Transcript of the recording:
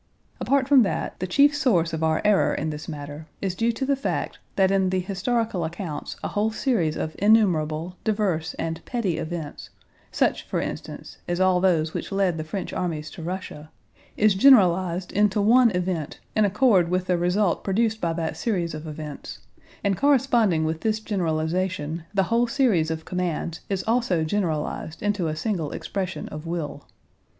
Apart from that, the chief source of our error in this matter is due to the fact that in the historical accounts a whole series of innumerable, diverse, and petty events, such for instance as all those which led the French armies to Russia, is generalized into one event in accord with the result produced by that series of events, and corresponding with this generalization the whole series of commands is also generalized into a single expression of will.